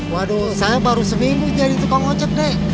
waduh saya baru seminggu jadi tukang ojek deh